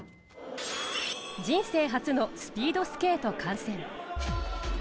人生初のスピードスケート観戦。